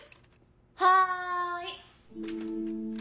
はい！